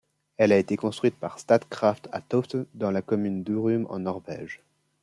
Elle a été construite par Statkraft à Tofte, dans la commune d'Hurum en Norvège.